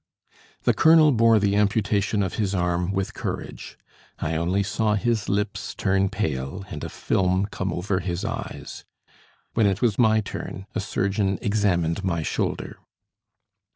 The colonel bore the amputation of his arm with courage; I only saw his lips turn pale and a film come over his eyes. When it was my turn, a surgeon examined my shoulder.